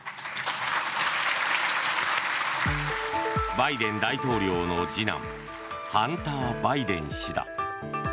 バイデン大統領の次男ハンター・バイデン氏だ。